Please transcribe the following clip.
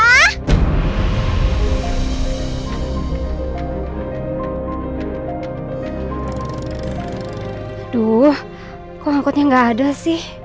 aduh kok angkotnya nggak ada sih